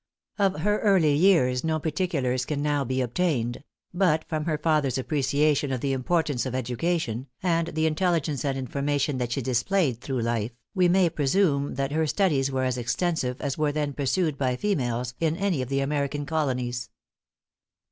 Of her early years no particulars can now be obtained; but from her father's appreciation of the importance of education, and the intelligence and information that she displayed through life, we may presume that her studies were as extensive as were then pursued by females in any of the American colonies.